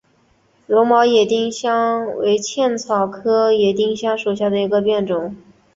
绒毛野丁香为茜草科野丁香属下的一个变种。